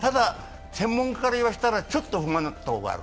ただ専門家から言わせたら、ちょっと不満だったところがある。